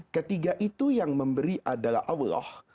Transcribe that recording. ketiga itu yang memberi adalah allah